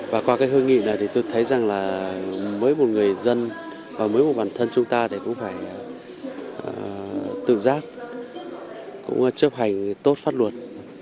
và qua cái hội nghị này thì tôi thấy rằng là mới một người dân và mới một bản thân chúng ta cũng phải tự giác cũng chấp hành tốt phát luật